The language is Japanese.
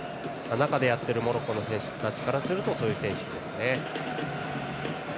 中でやっているモロッコの選手たちからするとそういう選手ですね。